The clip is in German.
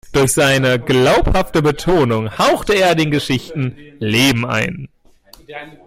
Durch seine glaubhafte Betonung haucht er den Geschichten Leben ein.